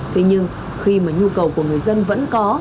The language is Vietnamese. thế nhưng khi mà nhu cầu của người dân vẫn có